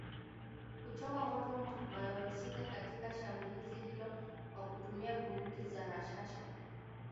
kuchoma moto malori sita katika shambulizi hilo kwa kutumia bunduki za rashasha